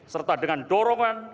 serta dengan dorongan